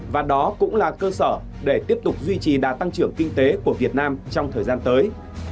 và đó cũng là cơ sở để tiếp tục duy trì đà tăng trưởng kinh tế của việt nam trong thời gian tới